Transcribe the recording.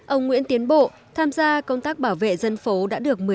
ông nguyễn tiến bộ tham gia công an xã bảo vệ an ninh trật tự ở cơ sở trong tình hình mới